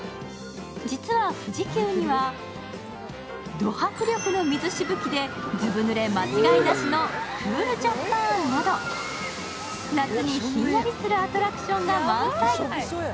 実は、富士急にはど迫力の水しぶきでずぶぬれ間違いなしのクール・ジャッパーンなど夏にひんやりするアトラクションが満載。